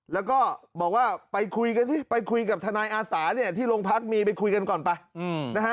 แล้วก็บอกว่าไปคุยกันสิไปคุยกับทนายอาสาเนี่ยที่โรงพักมีไปคุยกันก่อนไปนะฮะ